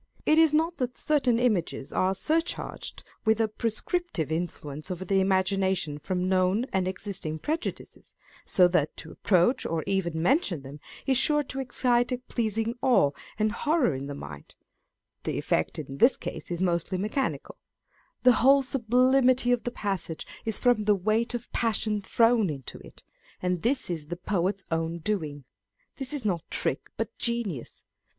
It is not that certain images are surcharged with a prescriptive influence over the imagination from known and existing prejudices, so that to approach or even mention them is sure to excite a pleasing awe and horror in the mind (the effect in this case is mostly mechanical) â€" the whole sublimity of the passage is from the weight of passion thrown into it, and this is the poet's own doing. This is not trick, but genius.